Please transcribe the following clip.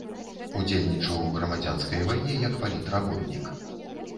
Удзельнічаў у грамадзянскай вайне як палітработнік.